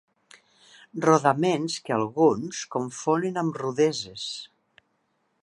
Rodaments que alguns confonen amb rudeses.